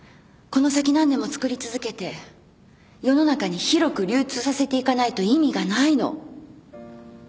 この先何年も作り続けて世の中に広く流通させていかないと意味がないの。